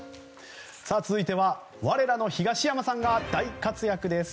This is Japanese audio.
続いては我らの東山さんが大活躍です。